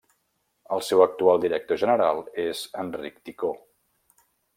El seu actual director general és Enric Ticó.